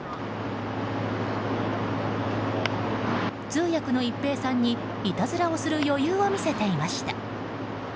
通訳の一平さんにいたずらをする余裕を見せていました。